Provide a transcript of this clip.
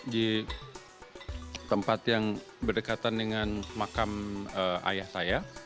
di tempat yang berdekatan dengan makam ayah saya